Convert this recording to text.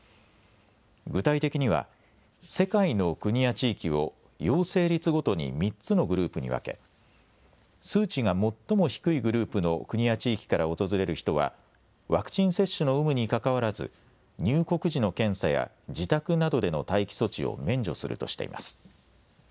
具体的には、世界の国や地域を陽性率ごとに３つのグループに分け、数値が最も低いグループの国や地域から訪れる人はワクチン接種の有無にかかわらず入国時の検査や自宅などでの待機措置を免除するとしています。